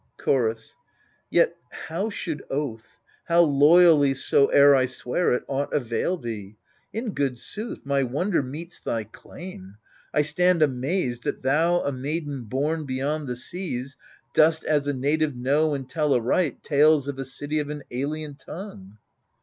Chorus Yet how should oath — how loyally soe'er I swear it — aught avail thee ? In good sooth. My wonder meets thy claim : I stand amazed That thou, a maiden bom beyond the seas. Dost as a native know and tell aright Tales of a city of an alien tongue.